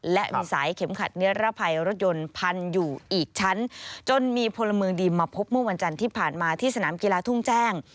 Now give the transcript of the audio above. และมีสายเข็มขัดนิรภัยรถยนต์พันอยู่อีกชั้นจนมีพลเมืองดีมาพบเมื่อวันจันทร์ที่ผ่านมาที่สนามกีฬาทุ่งแจ้ง